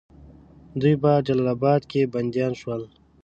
دوی په جلال آباد کې بندیان شول.